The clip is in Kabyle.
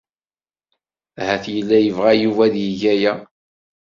Ahat yella yebɣa Yuba ad yeg aya.